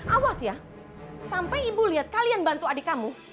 awas ya sampai ibu lihat kalian bantu adik kamu